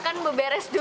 kan beberes dulu